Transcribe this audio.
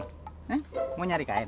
eh mau nyari kain